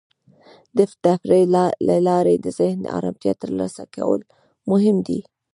د تفریح له لارې د ذهن ارامتیا ترلاسه کول مهم دی.